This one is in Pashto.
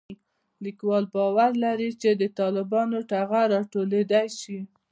لیکوال باور لري چې د طالبانو ټغر راټولېدای شي